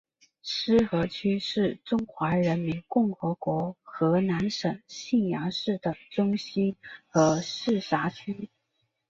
浉河区是中华人民共和国河南省信阳市的中心和市辖区。